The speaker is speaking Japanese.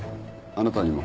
あなたにも。